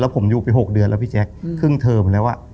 แล้วผมอยู่ไปหกเดือนแล้วพี่แจ๊คอืมครึ่งเทอมแล้วอ่ะ